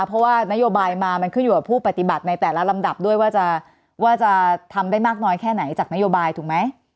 เพราะว่านโยบายมามันขึ้นอยู่กับผู้ปฏิบัติในแต่ละลำดับด้วยว่าจะทำได้มากน้อยแค่ไหนจากนโยบายถูกไหม